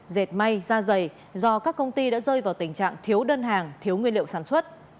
dệt may da dày do các công ty đã rơi vào tình trạng thiếu đơn hàng thiếu nguyên liệu sản xuất